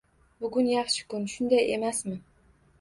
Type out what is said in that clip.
Bugun yaxshi kun, shunday emasmi?